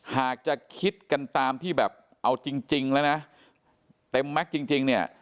หากจะคิดกันตามที่แบบเอาจริงแล้วนะเต็มแม็กซ์จริงเนี่ย